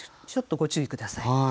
ちょっとご注意下さい。